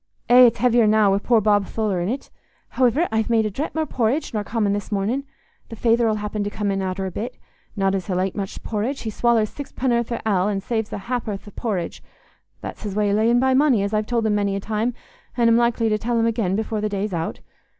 Eh! It's heavier now, wi' poor Bob Tholer in't. Howiver, I've made a drap more porridge nor common this mornin'. The feyther 'ull happen come in arter a bit. Not as he'll ate much porridge. He swallers sixpenn'orth o' ale, an' saves a hap'orth o' por ridge—that's his way o' layin' by money, as I've told him many a time, an' am likely to tell him again afore the day's out.